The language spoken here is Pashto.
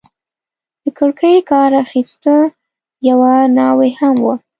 د کړکۍ کار اخیسته، یوه ناوې هم وه.